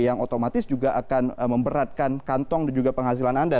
yang otomatis juga akan memberatkan kantong dan juga penghasilan anda